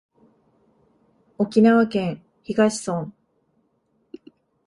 沖縄県東村